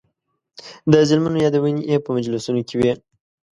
د ظلمونو یادونې یې په مجلسونو کې وې.